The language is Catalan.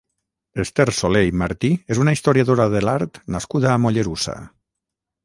Esther Solé i Martí és una historiadora de l'art nascuda a Mollerussa.